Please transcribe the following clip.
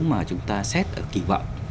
mà chúng ta xét kỳ vọng